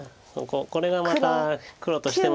これがまた黒としても。